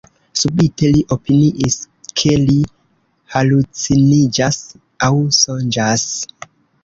Subite li opiniis, ke li haluciniĝas aŭ sonĝas.